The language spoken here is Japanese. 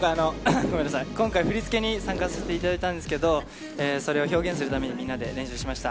今回、振り付けに参加させていただいたんですけどそれを表現するためにみんなで練習しました。